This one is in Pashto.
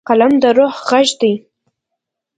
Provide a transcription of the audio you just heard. قلم د روح غږ دی.